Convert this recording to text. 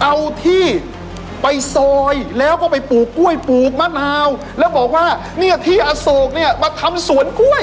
เอาที่ไปซอยแล้วก็ไปปลูกกล้วยปลูกมะนาวแล้วบอกว่าเนี่ยที่อโศกเนี่ยมาทำสวนกล้วย